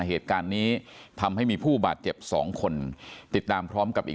เหตุการณ์นี้ทำให้มีผู้บาดเจ็บสองคนติดตามพร้อมกับอีก